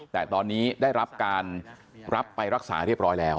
แต่ตอนนี้ได้รับการรับไปรักษาเรียบร้อยแล้ว